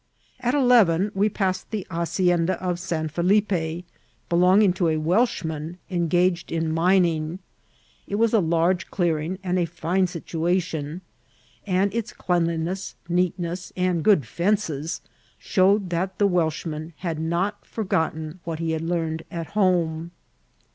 At eleven we passed the hacienda of San Felippe, belonging to a Welshman engaged in A MINING ■STABLItHMSNT. 845 mining. It was in. a kxge dearii^, and a fine sltnationi and its cleanliness,, neatness, and good fences showed that the Welshman had not forgotten what ^e had, learned at home.